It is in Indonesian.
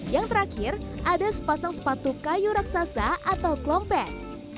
yang terakhir ada sepasang sepatu kayu raksasa atau klompen